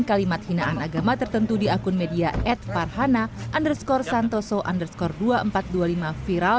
kalimat hinaan agama tertentu di akun media ed parhana underscore santoso underscore dua ribu empat ratus dua puluh lima viral